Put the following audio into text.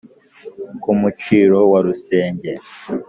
ku muciro wa rusenge